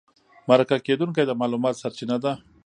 مرکه کېدونکی د معلوماتو سرچینه ده.